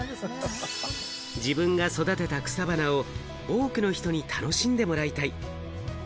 自分が育てた草花を多くの人に楽しんでもらいたい。